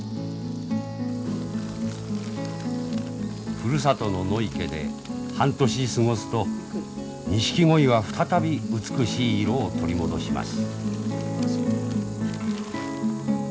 ふるさとの野池で半年過ごすとニシキゴイは再び美しい色を取り戻します。